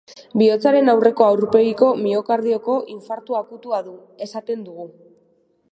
Bihotzaren aurreko aurpegiko miokardioko infartu akutua du, esaten dugu.